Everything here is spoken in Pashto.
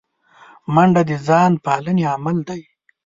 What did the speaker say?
منډه د ځان پالنې عمل دی